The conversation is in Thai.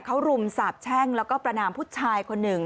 เขารุมสาบแช่งแล้วก็ประนามผู้ชายคนหนึ่ง